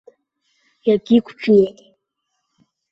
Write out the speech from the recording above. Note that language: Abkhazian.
Иагьиқәҿиеит.